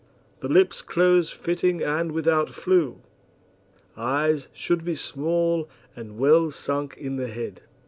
The lips close fitting and without flew. EYES Should be small and well sunk in the head.